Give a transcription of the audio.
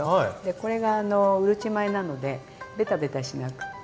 これがうるち米なのでベタベタしなくって。